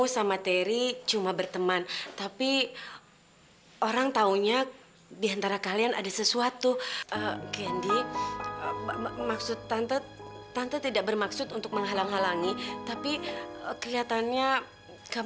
sampai jumpa di video selanjutnya